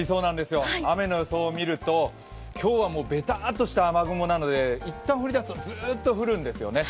雨の予想を見ると、今日はベターッとした雨雲なので、一旦降りだすとずっと降るんですよね。